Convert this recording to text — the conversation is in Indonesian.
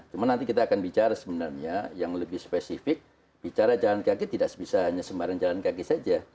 cuma nanti kita akan bicara sebenarnya yang lebih spesifik bicara jalan kaki tidak bisa hanya sembarang jalan kaki saja